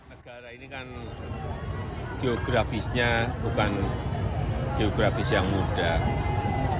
negara ini kan geografisnya bukan geografis yang mudah